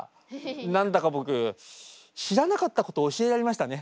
何だか僕知らなかったことを教えられましたね。